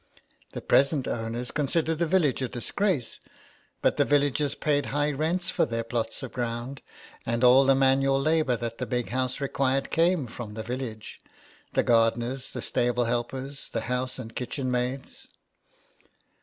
The present owners considered the village a disgrace, but the villagers paid high rents for their plots of ground, and all the manual labour that the Big House required came from the village : the gardeners, the stable helpers, the house and the kitchen maids.